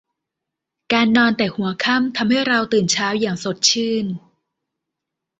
การนอนแต่หัวค่ำ ทำให้เราตื่นเช้า อย่างสดชื่น